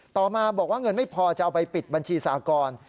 ต่อมาบอกว่าเงินไม่พอจะเอาไปปิดบัญชีสากร